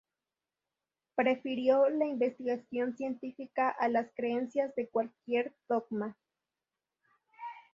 Prefirió la investigación científica a las creencias de cualquier dogma.